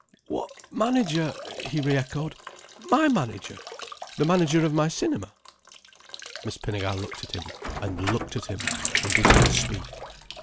"What manager?" he re echoed. "My manager. The manager of my cinema." Miss Pinnegar looked at him, and looked at him, and did not speak.